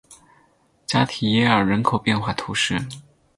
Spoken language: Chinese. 加提耶尔人口变化图示